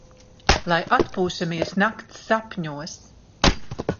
Lai atpūšamies nakts sapņos!